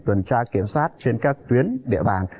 tuần tra kiểm soát trên các tuyến địa bàn